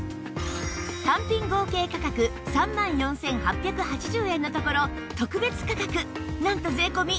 単品合計価格３万４８８０円のところ特別価格なんと税込